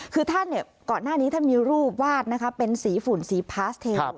คือท่านก่อนหน้านี้ท่านมีรูปวาดนะคะเป็นสีฝุ่นสีพาสเทล